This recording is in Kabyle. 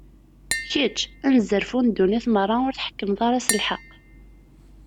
Kečč, anezzarfu n ddunit meṛṛa, ur tḥekkmeḍ ara s lḥeqq?